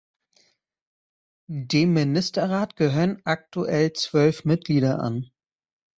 Dem Ministerrat gehören aktuell zwölf Mitglieder an.